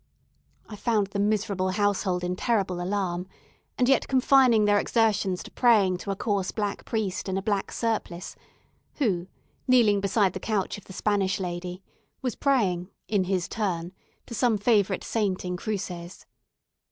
I found the miserable household in terrible alarm, and yet confining their exertions to praying to a coarse black priest in a black surplice, who, kneeling beside the couch of the Spanish lady, was praying (in his turn) to some favourite saint in Cruces.